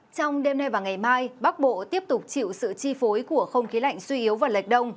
trong đêm nay và ngày mai bắc bộ tiếp tục chịu sự chi phối của không khí lạnh suy yếu và lệch đông